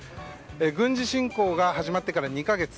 軍事侵攻が始まってから２か月。